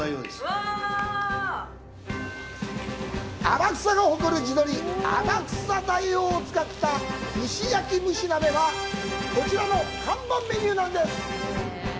天草が誇る地鶏・天草大王を使った石焼き蒸し鍋はこちらの看板メニューです。